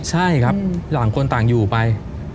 ใช่ครับต่างคนต่างอยู่ไป